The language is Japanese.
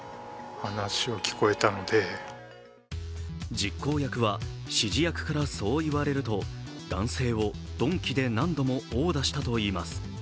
実行役は指示役からそう言われると男性を鈍器で何度も殴打したといいます。